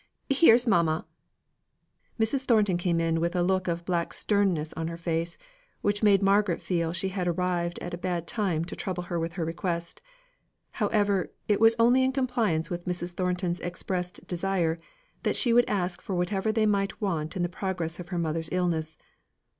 here's mamma!" Mrs. Thornton came in with a look of black sternness on her face, which made Margaret feel she had arrived at a bad time to trouble her with her request. However, it was only in compliance with Mrs. Thornton's expressed desire, that she would ask for whatever they might want in the progress of her mother's illness. Mrs.